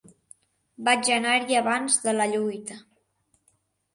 Vaig anar-hi abans de la lluita